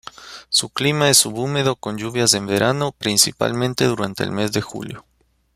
Su clima es subhúmedo con lluvias en verano, principalmente durante el mes de julio.